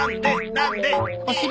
なんで？